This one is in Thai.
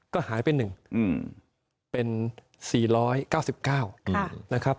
ก็หายไป๑เป็น๔๙๙นะครับ